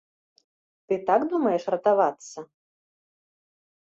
Ты так думаеш ратавацца?